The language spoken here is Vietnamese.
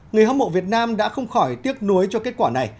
người hâm mộ việt nam đã không khỏi tiếc nuối cho kết quả này